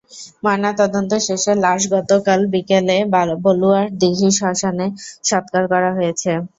ময়নাতদন্ত শেষে লাশ গতকাল বিকেলে বলুয়ার দীঘির শ্মশানে সৎকার করা হয়েছে।